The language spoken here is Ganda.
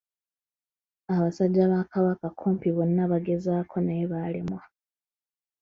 Abasajja ba kabaka kumpi bonna bagezaako naye ne balemwa.